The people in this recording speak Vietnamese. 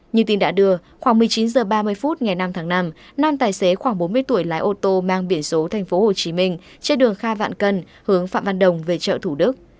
như tin đã đưa khoảng một mươi chín h ba mươi phút ngày năm tháng năm nam tài xế khoảng bốn mươi tuổi lái ô tô mang biển số tp hcm trên đường kha vạn cân hướng phạm văn đồng về chợ thủ đức